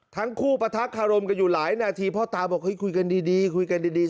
ทั้งคู่ประทักษ์หารมกันอยู่หลายนาทีพ่อตาบอกคุยกันดี